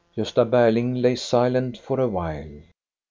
Gosta Berling lay silent for a while.